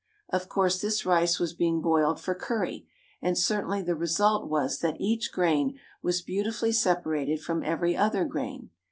Of course, this rice was being boiled for curry, and certainly the result was that each grain was beautifully separated from every other grain.